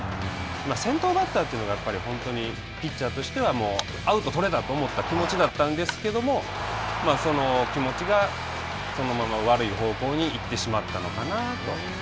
先頭バッターというのが本当にピッチャーとしてはアウトを取れたと思った気持ちだったんですけどもその気持ちがそのまま悪い方向に行ってしまったのかなと。